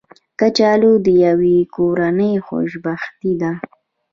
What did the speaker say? کچالو د یوې کورنۍ خوشبختي ده